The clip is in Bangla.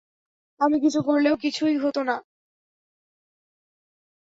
আমি কিছু করলেও কিছুই হতো না।